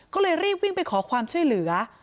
ก็เลยรีบวิ่งไปขอความช่วยเหลือ